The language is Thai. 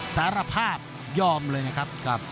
สารภาพยอมเลยนะครับ